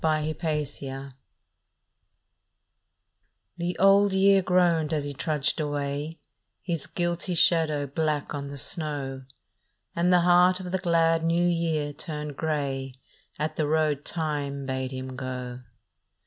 BLOOD ROAD THE Old Year groaned as he trudged away, His guilty shadow black on the snow, And the heart of the glad New Year turned grey At the road Time bade him go.